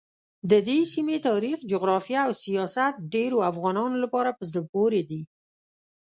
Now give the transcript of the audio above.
ددې سیمې تاریخ، جغرافیه او سیاست ډېرو افغانانو لپاره په زړه پورې دي.